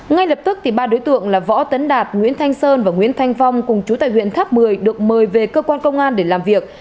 ngay lập tức ba đối tượng là võ tấn đạt nguyễn thanh sơn và nguyễn thanh phong cùng chú tại huyện tháp một mươi được mời về cơ quan công an để làm việc